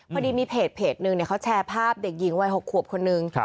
พอดีมีเพจนึงเขาแชร์ภาพเด็กหญิงวัย๖ขวบคนนึง